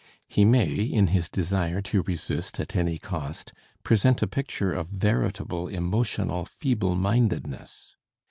He may, in his desire to resist at any cost, present a picture of veritable emotional feeblemindedness.